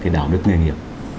đạo đức nghề nghiệp